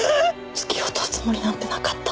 突き落とすつもりなんてなかった。